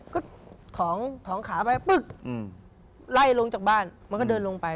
ก็ถองขาไปล่ายลงจากบ้านแล้วก็เดินลงไป